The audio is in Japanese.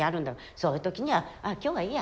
そういう時にはあ今日はいいや。